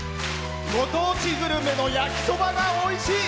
ご当地グルメのやきそばがおいしい